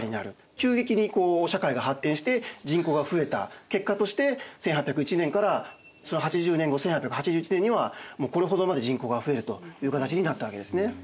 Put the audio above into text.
急激に社会が発展して人口が増えた結果として１８０１年からその８０年後１８８１年にはもうこれほどまで人口が増えるという形になったわけですね。